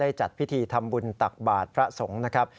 จัดพิธีทำบุญตักบาทพระสงฆ์นะครับ